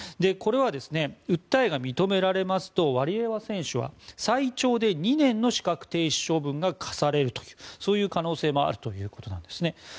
これは訴えが認められますとワリエワ選手は最長で２年の資格停止処分が科されるという可能性もあるということなんですね。